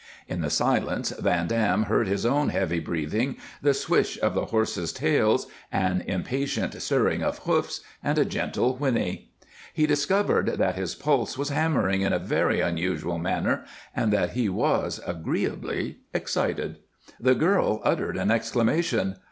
In the silence Van Dam heard his own heavy breathing, the swish of the horses' tails, an impatient stirring of hoofs, and a gentle whinny. He discovered that his pulse was hammering in a very unusual manner and that he was agreeably excited. The girl uttered an exclamation.